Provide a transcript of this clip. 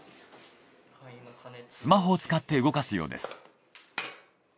スマホを使って動かすようです。